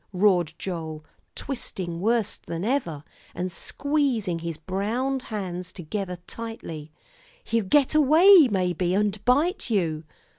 roared Joel, twisting worse than ever, and squeezing his brown hands together tightly; "he'll get away, maybe, and bite you."